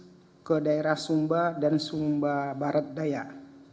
dan ada tugas ke daerah sumba dan sumba barat dayak